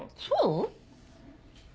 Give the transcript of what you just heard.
そう？